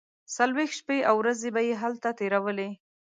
څلوېښت شپې او ورځې به یې هلته تیرولې.